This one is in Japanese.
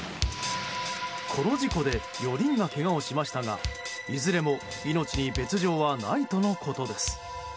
この事故で４人がけがをしましたがいずれも命に別条はないとのことです。